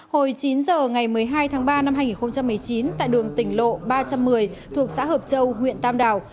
hồi chín giờ ngày một mươi hai tháng ba năm hai nghìn một mươi chín tại đường tỉnh lộ ba trăm một mươi thuộc xã hợp châu huyện tam đảo